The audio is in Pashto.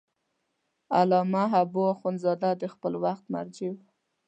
علامه حبو اخند زاده د خپل وخت مرجع و.